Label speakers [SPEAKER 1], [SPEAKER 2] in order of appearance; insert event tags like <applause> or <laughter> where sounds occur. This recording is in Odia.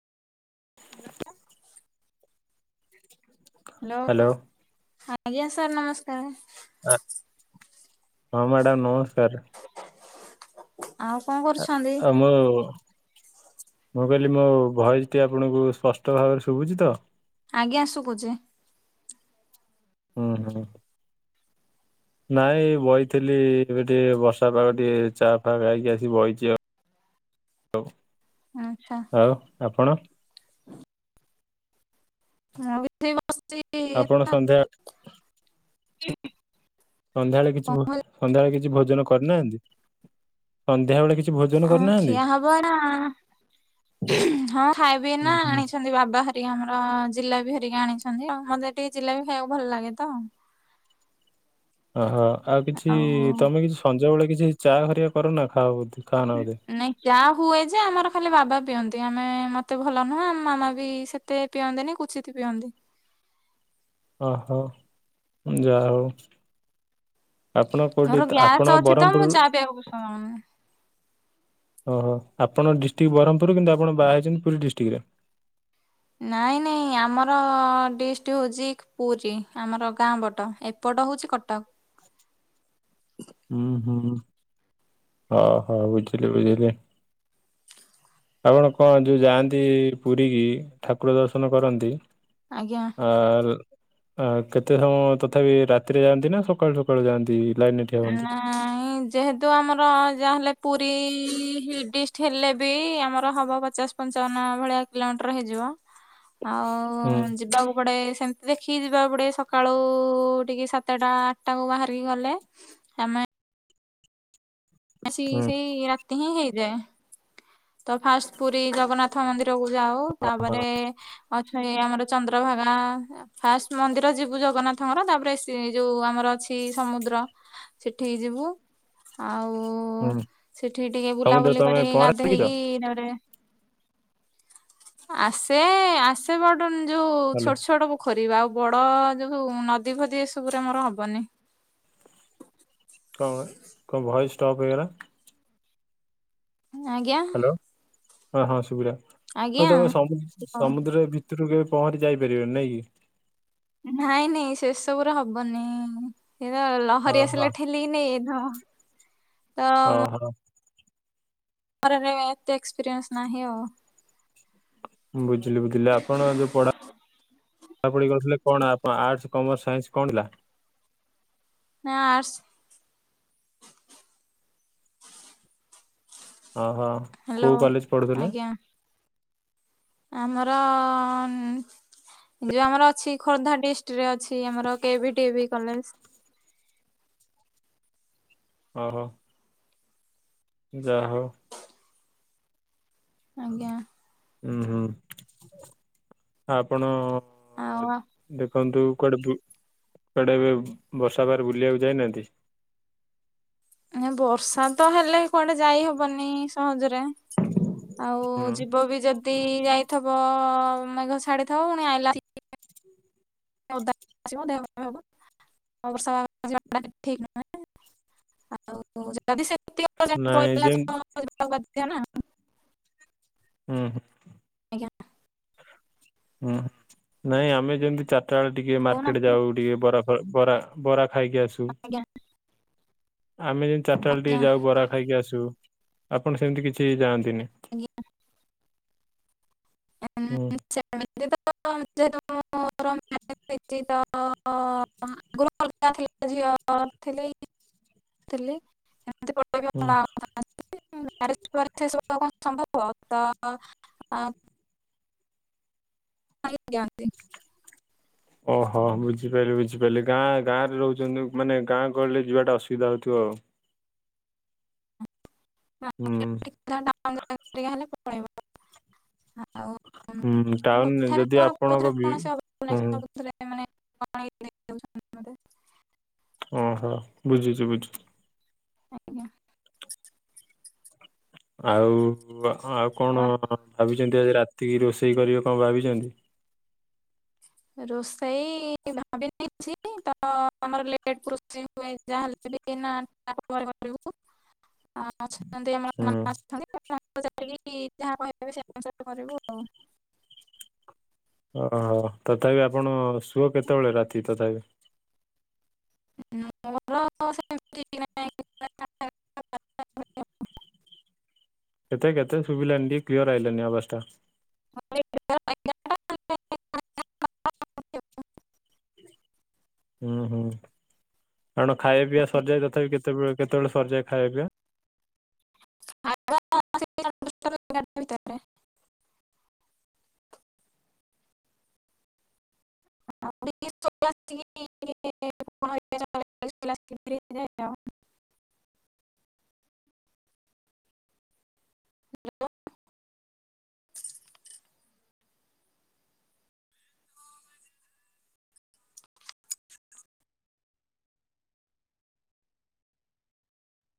[SPEAKER 1] ହ୍ୟାଲୋ
[SPEAKER 2] ହ୍ୟାଲୋ
[SPEAKER 1] ହଁ। ଆଜ୍ଞା ସାର୍ ନମସ୍କାର।
[SPEAKER 2] ହଁ ମ୍ୟାଡ଼ାମ ନମସ୍କାର।
[SPEAKER 1] ଆଉ କଣ କରୁଛନ୍ତି?
[SPEAKER 2] ଆଉ ମୋ ମୁଁ କହିଲି ମୋ ଭଏସ ଟି ଆପଣଙ୍କୁ ସ୍ପଷ୍ଟ ଭାବରେ ଶୁଭୁଛି ତ?
[SPEAKER 1] ଆଜ୍ଞା ଶୁଭୁଚି।
[SPEAKER 2] ହୁଁ- ହୁଁ। ନାଇଁ ବଇଥିଲି, ଏବେ ଟିକେ ବର୍ଷା ପାଗ ଟିକେ ଚା ଫା ଖାଇକି ଆସି ବଇଛି ଆଉ। ଆଉ।
[SPEAKER 1] ଆଚ୍ଛା
[SPEAKER 2] ଆଉ ଆପଣ?
[SPEAKER 1] <unintelligible>
[SPEAKER 2] ଆପଣ ସନ୍ଧ୍ୟା ସନ୍ଧ୍ୟାବେଳେ କିଛି ଭୋ ସନ୍ଧ୍ୟାବେଳେ କିଛି ଭୋଜନ କରିନାହାନ୍ତି ସନ୍
[SPEAKER 1] ଅଁ ଖିଆ ହବ ଏଇନା। ହଁ ଖାଇବି
[SPEAKER 2] ହୁଁ
[SPEAKER 1] ଏଇନା
[SPEAKER 2] ହୁଁ
[SPEAKER 1] ଆଣିଛନ୍ତି ବାବା ହେରିକି ଆମର ଜିଲାପି ହେରିକି ଆଣିଛନ୍ତି ଆଉ ମତେ ଟିକେ ଜିଲାପି ଖାଇବାକୁ ଭଲ ଲାଗେ ତ
[SPEAKER 2] ଆ ହ ଆଉ କିଛି ତମେ କିଛି ସଞ୍ଜ ବେଳେ କିଛି ଚା ହେରୀକା କର ନା ଖାଅ ବୋଧେ। ଖାଅନା ବୋଧେ
[SPEAKER 1] ନାଇଁ ଯାହା ହୁଏ ଯେ ଆମର ଖାଲି ବାବା ପିଅନ୍ତି। ଆମେ ମତେ ଭଲ ନୁହଁ ଆମ ମାମା ବି ସେତେ ପିଅନ୍ତିନି କୁଚିତ ପିଅନ୍ତି।
[SPEAKER 2] ଅ ହ ଯା ହଉ। ଆପଣ କୋଉଠି
[SPEAKER 1] ମୋର ଗ୍ୟାସ୍
[SPEAKER 2] ଆପଣ
[SPEAKER 1] ଅଛି ତ ମୁଁ
[SPEAKER 2] ବରହ୍ମପୁରରୁ?
[SPEAKER 1] ଚା ପିଇବାକୁ ପସନ୍ଦ କରୁନି।
[SPEAKER 2] ଓହୋ ଆପଣ ଡିଷ୍ଟ୍ରିକ୍ଟ ବ୍ରହ୍ମପୁର କିନ୍ତୁ ଆପଣ ବାହାଇଛନ୍ତି ପୁରୀ ଡିଷ୍ଟ୍ରିକ୍ଟରେ।
[SPEAKER 1] ନାଇଁ ନାଇଁ ଆମର ଡିଷ୍ଟୀ ହଉଛି ପୁରୀ ଆମର ଗାଁ ବଟ ଏପ ଟ ହଉଛି କଟକ।
[SPEAKER 2] <inaudible> ଉ ହୁଁ ଅ ହ ବୁଝିଲି ବୁଝିଲି। ଆପଣ କଣ ଯୋଉ ଯାଆନ୍ତି ପୁରୀ ଠାକୁର ଦର୍ଶନ କରନ୍ତି?
[SPEAKER 1] ଆଜ୍ଞା
[SPEAKER 2] ଆ ଲ ଆ କେତେ ସମୟ ତଥାପି ରାତିରେ ଯାଆନ୍ତି ନା ସକାଳୁ ସକାଳୁ ଯାଆନ୍ତି? ଲାଇନରେ ଠିଆ ହୁଅନ୍ତି?
[SPEAKER 1] ନାଇଁ ଯେହେତୁ ଆମର ଯାହାହେଲେ ପୁରୀ ଇ ଡିଷ୍ଟି ହେଲେ ବି ଆମର ହବ ପଚାଶ ପଞ୍ଚାବନ ଭଳିଆ କିଲୋମିଟର ହେଇଯିବ।
[SPEAKER 2] ହୁଁ
[SPEAKER 1] ଆଉ ଯିବାକୁ ପଡ଼େ ସେମିତି ଦେଖିକି ଯିବାକୁ ପଡ଼େ ସକାଳୁ ଟିକେ ସାତଟା ଆଠଟାକୁ ବାହାରିକି ଗଲେ। ଆମେ ଆସିକି
[SPEAKER 2] ହୁଁ
[SPEAKER 1] ସେଇ ରାତି ହିଁ ହେଇଯାଏ ତ ଫାଷ୍ଟ ପୁରୀ ଜଗନ୍ନାଥ ମନ୍ଦିର ଯୋଉ ଯାଉ ତାପରେ ଅଛଇ ଆମର ଚନ୍ଦ୍ରଭାଗା ଫାଷ୍ଟ ମନ୍ଦିର ଯିବୁ ଜଗନ୍ନାଥଙ୍କର ତାପରେ ସେ ଯୋଉ ଆମର ଅଛି ସମୁଦ୍ର ସେଠିକି ଯିବୁ ଆଉ ଓ
[SPEAKER 2] ହୁଁ
[SPEAKER 1] ସେଠି ଟିକେ
[SPEAKER 2] ସମୁଦ୍ର
[SPEAKER 1] ବୁଲାବୁଲି
[SPEAKER 2] ତମେ
[SPEAKER 1] କରିିକି
[SPEAKER 2] ପହଁରା ଶିଖିଛ
[SPEAKER 1] ଗାଧେଇକି ତାପରେ ଆସେ ଆସେ ବଟ ଯୋଉ
[SPEAKER 2] ହାଲୋ
[SPEAKER 1] ଛୋଟ ଛୋଟ ବୁଖ୍ ରିବି ଆଉ ବଡ଼ ଯୋଉ ନଦୀ ଫଦୀ ଏସବୁରେ ମୋର ହବନି।
[SPEAKER 2] କଣ କଣ ଭଏସ୍ ଷ୍ଟପ ହେଇଗଲା?
[SPEAKER 1] ଆଜ୍ଞା।
[SPEAKER 2] ହାଲୋ ହଁ ହଁ ସୁବିଲା ହଉ
[SPEAKER 1] ଆଜ୍ଞା
[SPEAKER 2] ତମେ ସମ
[SPEAKER 1] ହଁ।
[SPEAKER 2] ସମୁଦ୍ର ଭିତରୁ କେବେ? ପହଁରି ଯାଇପାରିବେନି ନାଇଁ କି?
[SPEAKER 1] ନାଇଁ ନାଇଁ ସେସବୁରେ ହବନି। ଏ ତ
[SPEAKER 2] ହଁ
[SPEAKER 1] ଲହରୀ
[SPEAKER 2] ହଁ
[SPEAKER 1] ଆସିଲେ ଠେଲିକି ନେଇଯାଇ ଥିବ।
[SPEAKER 2] ଓ ହୋ।
[SPEAKER 1] ମରରେ ଏତେ ଏକ୍ସପିରିଏନ୍ସ ନାହିଁ ଓ
[SPEAKER 2] ବୁଝିଲି ବୁଝିଲି ଆପଣ ଯୋଉ ପଢ଼ା ପଢ଼ାପଢ଼ି କରୁଥିଲେ କଣ ଆପଣ ଆର୍ଟସ କମର୍ସ ସାଇନ୍ସ କଣ ଥିଲା?
[SPEAKER 1] ନାଁ ଆର୍ଟସ୍।
[SPEAKER 2] ଓହୋ
[SPEAKER 1] ହ୍ୟାଲୋ
[SPEAKER 2] କୋଉଁ କଲେଜ ପଢ଼ୁଥିଲେ?
[SPEAKER 1] ଆଜ୍ଞା ଆମର ଯୋଉ ଆମର ଅଛି ଖୋର୍ଦ୍ଧା ଡିଷ୍ଟ୍ ରେ ଅଛି ଆମର କେ ଭି ଟି ଭି କଲେଜ।
[SPEAKER 2] ଓ ହୋ। ଯାହା ହଉ।
[SPEAKER 1] ଆଜ୍ଞା।
[SPEAKER 2] ହୁଁ ହୁଁ ଆପଣ
[SPEAKER 1] ଆଉ ଆ
[SPEAKER 2] <unintelligible> କୁଆଡ଼େ ତୁ କୁଆଡ଼େ ଏବେ ବର୍ଷା ପାଗରେ ବୁଲିବାକୁ ଯାଇନାହାନ୍ତି? <inaudible>
[SPEAKER 1] ବର୍ଷା ତ ହେଲେ କୁଆଡେ ଯାଇ ହବନି ସହଜରେ। ଆଉ
[SPEAKER 2] ହୁଁ
[SPEAKER 1] ଯିବ ବି ଯଦି ଯାଇଥିବ ମେଘ ଛାଡିଥିବ ପୁଣି ଆଇଲା <unintelligible> ଆଉ ଯଦି ସେ।
[SPEAKER 2] ନାଇଁ ଯେମତି
[SPEAKER 1] <unintelligible>
[SPEAKER 2] ହୁଁ ହୁଁ।
[SPEAKER 1] <unintelligible>
[SPEAKER 2] ହୁଁ ନାଇଁ ଆମେ ଯେମିତି ଚାରିଟା ବେଳେ ଟିକେ ମାର୍କେଟ
[SPEAKER 1] କହୁନାହାନ୍ତି
[SPEAKER 2] ଯାଉ ଟିକେ ବରା ବ ବରା ବରା ଖାଇକି ଆସୁ
[SPEAKER 1] ଆଜ୍ଞା
[SPEAKER 2] ଆମେ ଯେମିତି ଚାରିଟା ବେଳେ ଟିକେ
[SPEAKER 1] ଆଜ୍ଞା
[SPEAKER 2] ଯାଉ ବରା ଖାଇକି ଆସୁ। ଆପଣ ସେମିତି କିଛି ଯାଆନ୍ତି ତିିନି?
[SPEAKER 1] <unintelligible> <unintelligible>
[SPEAKER 2] ହୁଁ
[SPEAKER 1] <unintelligible> <unintelligible> ଜ୍ଞନ୍ତି।
[SPEAKER 2] ଓହୋ ବୁଝିପାରିଲି ବୁଝିପାରିଲି ଗାଁ ଗାଁରେ ରହୁଛନ୍ତି ମାନେ ଗାଁ ଗହଳି ଯିବାଟା ଅସୁବିଧା ହଉଥିବ। ହ। ହୁଁ
[SPEAKER 1] <unintelligible>
[SPEAKER 2] ହୁଁ ଟାଉନ ଯଦି ଆପଣଙ୍କ ବି
[SPEAKER 1] <unintelligible>
[SPEAKER 2] ହୁଁ
[SPEAKER 1] <unintelligible>
[SPEAKER 2] ଓହୋ ବୁଝୁଛି ବୁଝୁଛି।
[SPEAKER 1] ଆଜ୍ଞା।
[SPEAKER 2] ଆଉ ହଁ ଆଉ କଣ ଭାବିଛନ୍ତି ଆଜି ରାତିକି ରୋଷେଇ କରିବେ କଣ ଭାବିଛନ୍ତି?
[SPEAKER 1] ରୋଷେଇ ଭାବିିନଛି ତମର ଲେଟ୍ ରୋଷେଇ ହୁଏ ଯାହାହେଲେ। <unintelligible> ଯାହା କହିବେ
[SPEAKER 2] ହୁଁ
[SPEAKER 1] ସେ ଅନୁସାରେ କରିବୁ ଆଉ।
[SPEAKER 2] ଓହୋ ତଥାପି ଆପଣ ଶୁଅ କେତେବେଳେ ରାତି ତଥାପି।
[SPEAKER 1] ମୋର ସେମିତି। <unintelligible> <unintelligible>
[SPEAKER 2] କେତେ କେତେ ଶୁଭିଲାନି ଟିକେ କ୍ଲିଅର ଆଇଲାନି ଆବାସ୍ ଟା।
[SPEAKER 1] <unintelligible>
[SPEAKER 2] ହୁଁ ହୁଁ। କାରଣ ଖାଇବା ପିଇବା ସରିଯାଏ ତଥାପି କେତେବେଳେ କେତେବେଳେ ସରିଯାଏ ଖାଇବା ପିଇବା?
[SPEAKER 1] <unintelligible> <unintelligible>
[SPEAKER 2] ଆ
[SPEAKER 1] <unintelligible>